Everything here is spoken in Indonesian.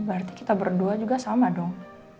berarti kita berdua juga sama dong